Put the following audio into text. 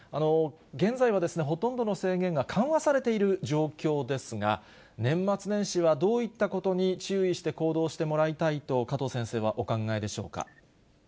現在はほとんどの制限が緩和されている状況ですが、年末年始はどういったことに注意して行動してもらいたいと、加藤先生はお考えでしょうか。